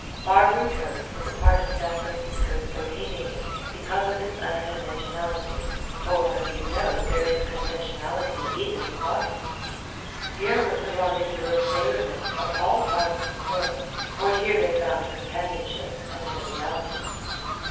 Barbary Coast was a part of San Francisco's Bohemianism because of its unconventionality, for, you know, there is conventionality even in Vice. Here was the rendezvous of sailor men from all parts of the world, for here they found companionship and joviality.